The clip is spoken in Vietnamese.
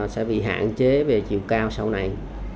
sẽ bị hạn chế về chiều cao sau này